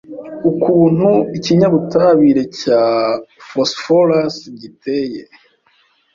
ukuntu ikinyabutabire cya phosphorous giteye